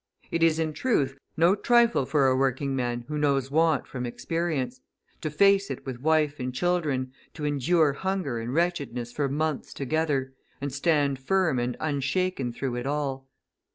It is, in truth, no trifle for a working man who knows want from experience, to face it with wife and children, to endure hunger and wretchedness for months together, and stand firm and unshaken through it all.